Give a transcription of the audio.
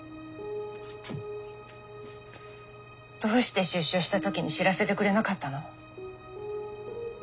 どうして出所した時に知らせてくれなかったの？